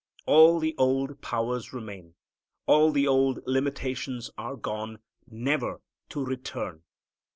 All the old powers remain. All the old limitations are gone, never to return.